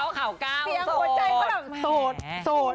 เสียงหัวใจเค้าแดงโสดโสด